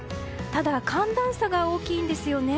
ただ、寒暖差が大きいんですよね。